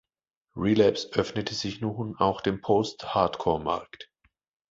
Relapse öffnete sich nun auch dem Post-Hardcore-Markt.